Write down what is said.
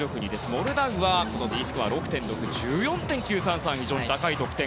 モルダウアーはＤスコア６．６で１４．９３３と非常に高い得点。